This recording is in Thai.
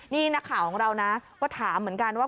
นี่นักข่าวของเรานะก็ถามเหมือนกันว่า